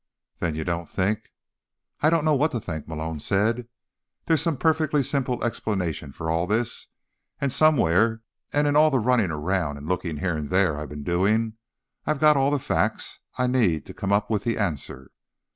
"Then you don't think—" "I don't know what to think," Malone said. "There's some perfectly simple explanation for all this. And somewhere, in all the running around and looking here and there I've been doing, I've got all the facts I need to come up with that answer."